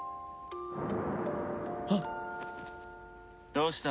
どうした？